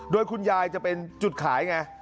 โดยคุณยายจะเป็นจุดขายไง